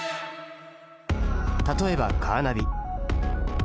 例えばカーナビ。